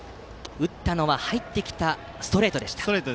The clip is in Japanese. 打ったのは入ってきたストレートでした。